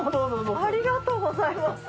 ありがとうございます。